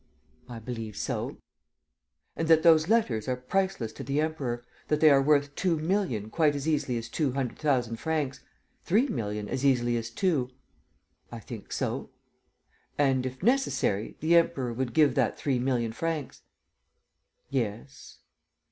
"I believe so." "And that those letters are priceless to the Emperor, that they are worth two million quite as easily as two hundred thousand francs ... three million as easily as two?" "I think so." "And, if necessary, the Emperor would give that three million francs?" "Yes."